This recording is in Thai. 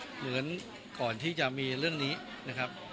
เหมือนก่อนที่จะมีเรื่องนี้นะครับ